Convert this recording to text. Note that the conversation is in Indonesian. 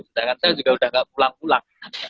sedangkan saya juga udah gak pulang pulang